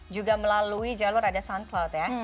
juga melalui jalur ada soundcloud ya